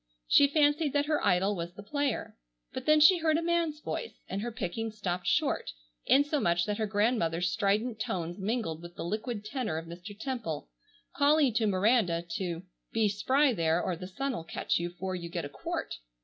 She fancied that her idol was the player. But then she heard a man's voice, and her picking stopped short insomuch that her grandmother's strident tones mingled with the liquid tenor of Mr. Temple, calling to Miranda to "be spry there or the sun'll catch you 'fore you get a quart."